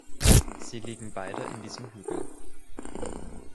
Sie liegen beide in diesem Hügel.